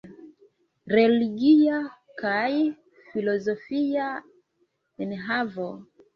Religia kaj filozofia enhavo.